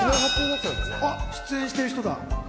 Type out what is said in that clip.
あっ、出演してる人だ。